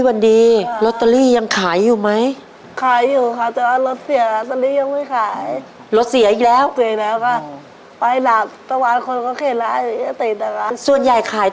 ไม่มีรถขับตามมาถูกไหมบ๊วยบ๊วย